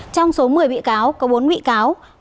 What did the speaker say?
trong số một mươi bị cáo có bốn bị cáo